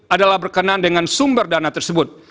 adalah berkenan dengan sumber dana tersebut